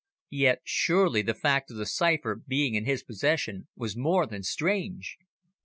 Yet surely the fact of the cipher being in his possession was more than strange.